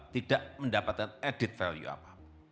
tidak mendapatkan added value apa